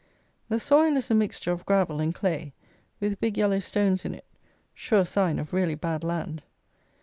The soil is a mixture of gravel and clay, with big yellow stones in it, sure sign of really bad land.